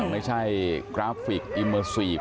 ไม่ใช่กราฟิกอิมเมอร์ซีฟ